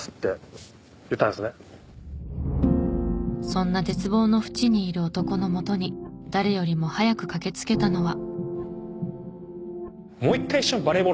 そんな絶望の淵にいる男のもとに誰よりも早く駆けつけたのは。